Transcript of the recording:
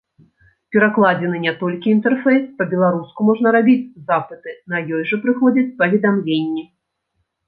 Перакладзены не толькі інтэрфейс, па-беларуску можна рабіць запыты, на ёй жа прыходзяць паведамленні.